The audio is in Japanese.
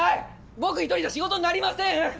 僕一人じゃ仕事になりません！